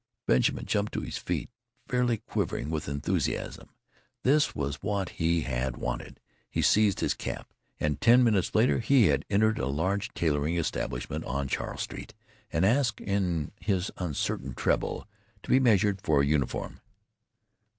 Benjamin jumped to his feet fairly quivering with enthusiasm. This was what he had wanted. He seized his cap, and ten minutes later he had entered a large tailoring establishment on Charles Street, and asked in his uncertain treble to be measured for a uniform.